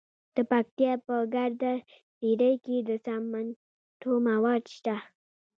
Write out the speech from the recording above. د پکتیا په ګرده څیړۍ کې د سمنټو مواد شته.